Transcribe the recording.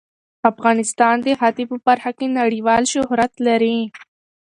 افغانستان د ښتې په برخه کې نړیوال شهرت لري.